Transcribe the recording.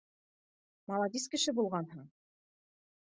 — Маладис кеше булғанһың